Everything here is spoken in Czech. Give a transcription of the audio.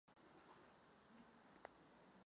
Pak se vrátil do rodného Janova.